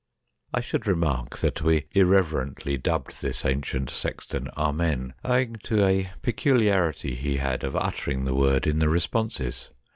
I should remark that we irreverently dubbed this ancient sexton 'Amen,' owing to a peculiarity he had of uttering the word in the responses.